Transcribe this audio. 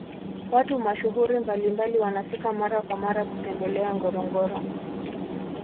watu mashuhuri mbalimbali wanafika mara kwa mara kutembelea ngorongoro